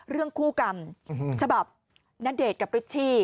เรื่องคู่กรรมฉบับณเดชน์กับริชชี่